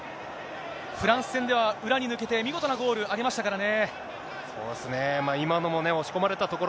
フランス戦では裏に抜けて、見事なゴールありましたからね。